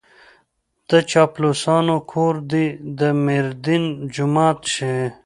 د چاپلوسانو کور دې د ميردين جومات شي.